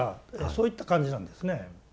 そういった感じなんですね。